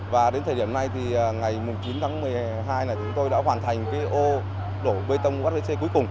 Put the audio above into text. và đến thời điểm nay ngày chín tháng một mươi hai chúng tôi đã hoàn thành ô đổ bê tông uhpc cuối cùng